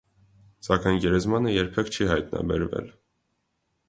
Սակայն գերեզմանը երբեք չի հայտնաբերվել։